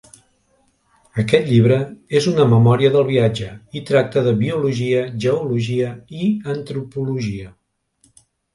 Aquest llibre és una memòria del viatge i tracta de biologia, geologia i antropologia.